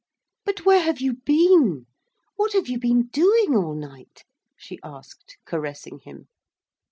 'But where have you been? What have you been doing all night?' she asked, caressing him.